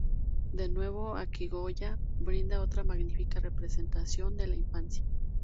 De nuevo, aquí Goya brinda otra magnífica representación de la infancia.